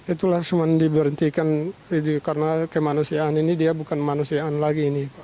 itulah cuma diberhentikan karena kemanusiaan ini dia bukan kemanusiaan lagi ini